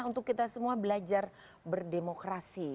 untuk kita semua belajar berdemokrasi